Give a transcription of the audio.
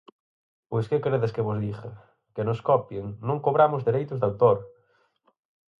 Pois que queredes que vos diga, que nos copien, non cobramos dereitos de autor!